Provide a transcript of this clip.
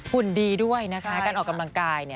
หุ่นดีด้วยนะคะการออกกำลังกาย